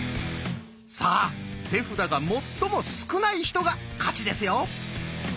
さあ手札が最も少ない人が勝ちですよ。